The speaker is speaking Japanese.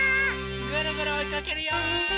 ぐるぐるおいかけるよ！